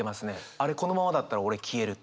あれこのままだったら俺消えるって。